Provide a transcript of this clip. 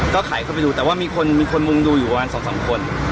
ก็ขายเข้าไปดูแต่ว่ามีคนมุมดูอยู่กว่าสองคน